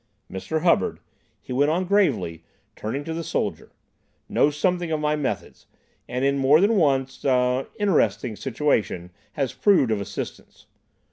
"Mr. Hubbard," he went on gravely, turning to the soldier, "knows something of my methods, and in more than one—er—interesting situation has proved of assistance.